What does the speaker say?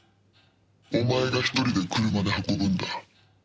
お前が１人で車で運ぶんだ」